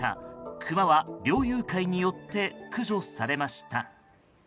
クマは猟友会によって駆除されました。